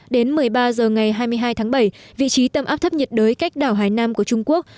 đến một mươi ba h ngày hai mươi hai tháng bảy vị trí tâm áp thấp nhiệt đới cách đảo hải nam của trung quốc